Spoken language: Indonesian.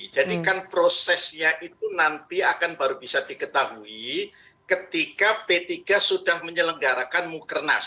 jadi kan prosesnya itu nanti akan baru bisa diketahui ketika p tiga sudah menyelenggarakan mukrnas